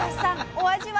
お味は？